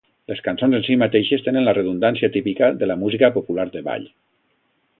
Les cançons en si mateixes tenen la redundància típica de la música popular de ball.